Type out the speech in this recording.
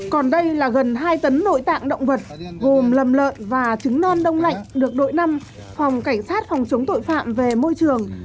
còn đây là gần hai tấn nội tạng động vật gồm lầm lợn và trứng non đông lạnh được đội năm phòng cảnh sát phòng chống tội phạm về môi trường